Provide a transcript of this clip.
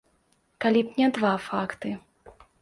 Калі б не два факты.